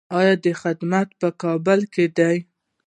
آیا دا خدمات په کابل کې دي؟